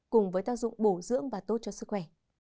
cùng với tác dụng bổ dưỡng và tốt cho sức khỏe